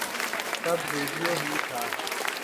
تب ریڈیو ہی تھا۔